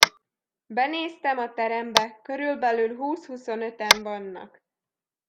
Benéztem a terembe, körülbelül húsz-huszonöten vannak.